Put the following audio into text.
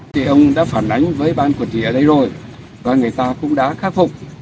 thì ông đã phản ánh với ban quản trị ở đây rồi và người ta cũng đã khắc phục